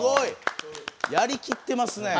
やりきってますねえ！